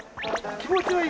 気持ちいい？